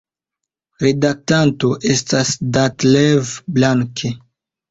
Redaktanto estas Detlev Blanke.